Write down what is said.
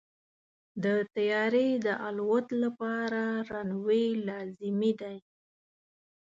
د طیارې د الوت لپاره رنوی لازمي دی.